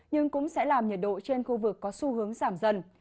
nhưng cũng sẽ làm nhiệt độ trên khu vực có xu hướng giảm dần